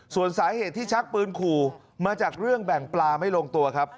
ส่วนสาเหตุที่ชักปืนขู่มาจากเรื่องแบ่งปลาไม่ลงตัวครับ